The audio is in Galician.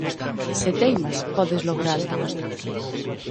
Se teimas, podes logralo.